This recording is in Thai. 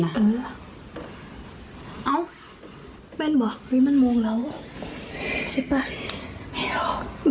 มาดูอีกหน่อยเอาเป็นเหรออุ๊ยมันมวงเราใช่ป่ะไม่รู้